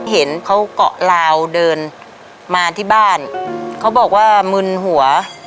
เห็นเขาเกาะลาวเดินมาที่บ้านเขาบอกว่ามึนหัว